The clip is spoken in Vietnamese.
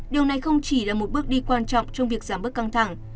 điều này không chỉ là một bước đi quan trọng trong việc giảm bớt căng thẳng